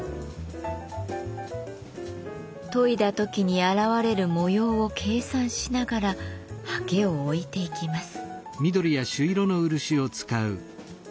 研いだときに現れる模様を計算しながらはけを置いていきます。